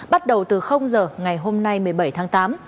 bắt đầu từ giờ ngày hôm nay một mươi bảy tháng tám